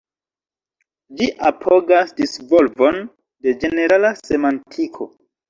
Ĝi apogas disvolvon de ĝenerala semantiko.